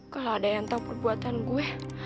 kalo ada yang tau perbuatan gue